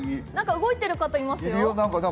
動いてる方、いますよ。